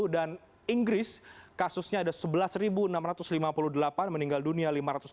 dan inggris kasusnya ada sebelas enam ratus lima puluh delapan meninggal dunia lima ratus tujuh puluh delapan